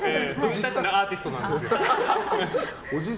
アーティストなんで。